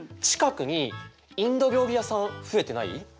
近くにインド料理屋さん増えてない？